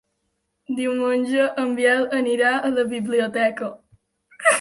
Diumenge en Biel anirà a la biblioteca.